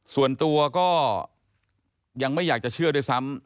ส่วนตัวก็ยังไม่อยากจะเชื่อด้วยซ้ำ